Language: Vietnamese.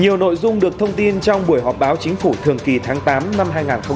nhiều nội dung được thông tin trong buổi họp báo chính phủ thường kỳ tháng tám năm hai nghìn hai mươi